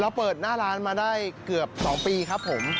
เปิดหน้าร้านมาได้เกือบ๒ปีครับผม